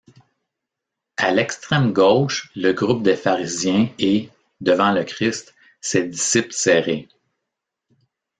A l'extrême-gauche le groupe des pharisiens et, devant le Christ, ses disciples serrés.